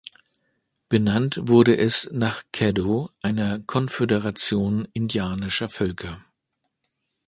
Benannt wurde es nach Caddo, einer Konföderation indianischer Völker.